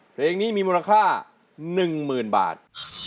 เพลงนี้มีมูลค่า๑๐๐๐บาท